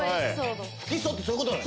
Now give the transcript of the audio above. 不起訴ってそういうことなの？